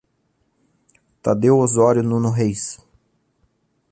Tadeu Osório Nuno Reis